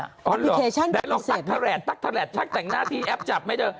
แอปพลิเคชันประสิเศษแล้วลองตั๊กทะแหลดตั๊กทะแหลดชักแต่งหน้าที่แอปจับไหมเธอ